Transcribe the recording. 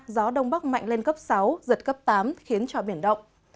gió đông bắc mạnh lên cấp sáu giật cấp tám khiến cho biển động